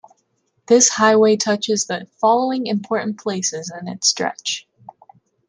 This highway touches the following important places in its stretch.